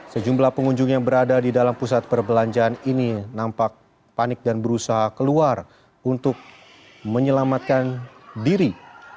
sejumlah pengunjung yang berada di dalam pusat perbelanjaan ini nampak panik dan berusaha keluar untuk menyelamatkan diri